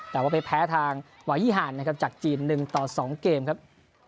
แต่ว่าไปแพ้ทางวายีหานนะครับจากจีน๑ต่อ๒เกมครับ